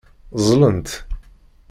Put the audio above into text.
Ẓẓlent.